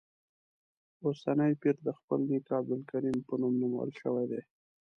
اوسنی پیر د خپل نیکه عبدالکریم په نوم نومول شوی دی.